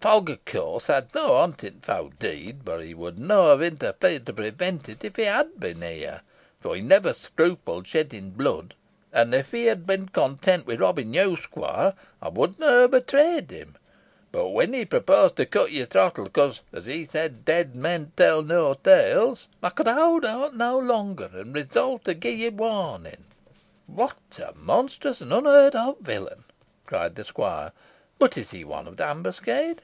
Fogg, of course, had no hont in the fow deed, boh he would na ha interfered to prevent it if he had bin here, fo' he never scrupled shedding blood. An if he had bin content wi' robbin' yo, squoire, ey wadna ha betrayed him; boh when he proposed to cut your throttle, bekose, os he said, dead men tell neaw teles, ey could howd out nah longer, an resolved to gi' yo warnin." "What a monstrous and unheard of villain!" cried the squire. "But is he one of the ambuscade?"